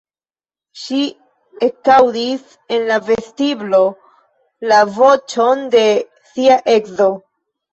Ŝi ekaŭdis en la vestiblo la voĉon de sia edzo.